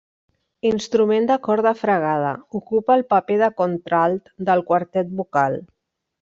Instrument de corda fregada, ocupa el paper de contralt del quartet vocal.